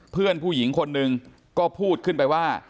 เพื่อนผู้หญิงคนหนึ่งก็พูดขึ้นไปว่า